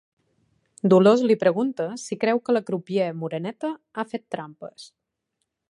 Dolors li pregunta si creu que la crupier moreneta ha fet trampes.